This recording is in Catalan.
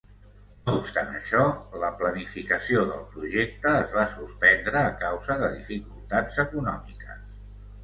No obstant això, la planificació del projecte es va suspendre a causa de dificultats econòmiques.